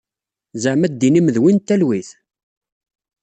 Zeɛma ddin-im d win n talwit?